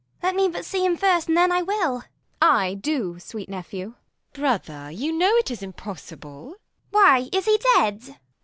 _ Let me but see him first, and then I will. Kent. Ay, do, sweet nephew. Q. Isab. Brother, you know it is impossible. P. Edw. Why, is he dead?